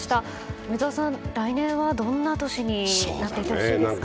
梅沢さん、来年はどんな年になっていってほしいですか？